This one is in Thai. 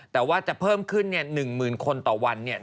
แต่ว่าจะเพิ่มขึ้น๑๐๐๐คนต่อวันเนี่ย